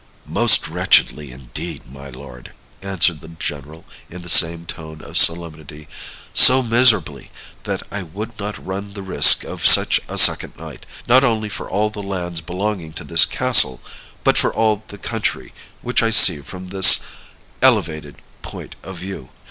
"Most wretchedly indeed, my lord," answered the general, in the same tone of solemnity; "so miserably, that I would not run the risk of such a second night, not only for all the lands belonging to this castle, but for all the country which I see from this elevated point of view."